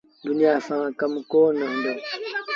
دنيآ سآݩ ڪم ڪونا هُݩدو۔